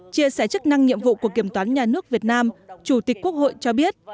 chia sẻ chức năng nhiệm vụ của kiểm toán nhà nước việt nam chủ tịch quốc hội cho biết